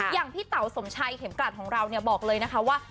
พี่เต๋าสมชัยเข็มกลัดของเราเนี่ยบอกเลยนะคะว่า